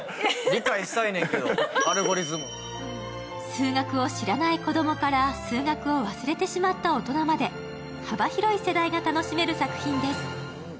数学を知らない子供から数学を忘れてしまった大人まで幅広い世代が楽しめる作品です。